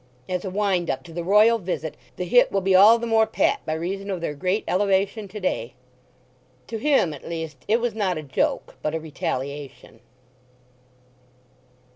"As a wind up to the Royal visit the hit will be all the more pat by reason of their great elevation to day." To him, at least, it was not a joke, but a retaliation.